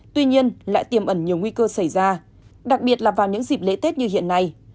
tuy nhiên lại tiềm ẩn nhiều nguy cơ xảy ra đặc biệt là vào những dịp lễ tết như hiện nay